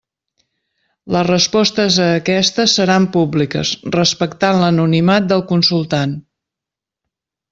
Les respostes a aquestes seran públiques, respectant l'anonimat del consultant.